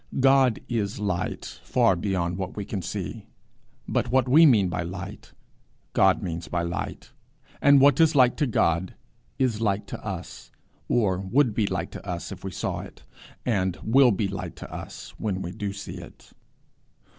God is light far beyond what we can see, but what we mean by light, God means by light; and what is light to God is light to us, or would be light to us if we saw it, and will be light to us when we do see it.